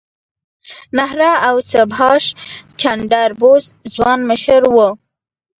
نهرو او سبهاش چندر بوس ځوان مشران وو.